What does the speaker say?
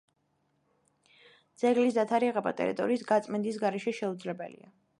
ძეგლის დათარიღება ტერიტორიის გაწმენდის გარეშე შეუძლებელია.